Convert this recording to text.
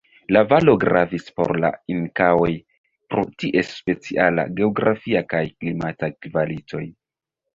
La valo gravis por la Inkaoj pro ties speciala geografia kaj klimata kvalitoj.